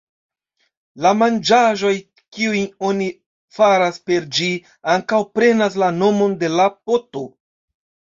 La manĝaĵoj kiujn oni faras per ĝi ankaŭ prenas la nomon de la poto.